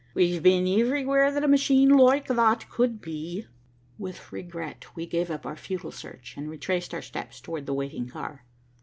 We've been iverywhere that a machine loike thot could be." With regret we gave up our futile search and retraced our steps towards the waiting car.